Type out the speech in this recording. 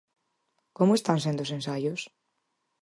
Como están sendo os ensaios?